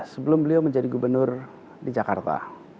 sebelum beliau menjadi gubernur di jakarta